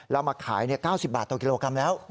เรามาขาย๙๐บาทต่อกิโลกรัมแล้ว